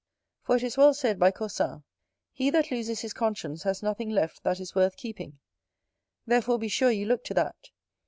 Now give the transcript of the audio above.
For it is well said by Caussin, "He that loses his conscience has nothing left that is worth keeping". Therefore be sure you look to that.